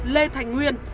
lê thành nguyên